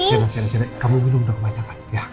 sienna sienna kamu minum udah kebanyakan ya